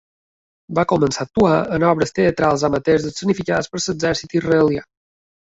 Va començar a actuar en obres teatrals amateurs escenificades per l'exèrcit israelià.